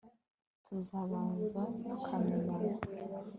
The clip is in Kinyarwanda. tukabanza tukamenyana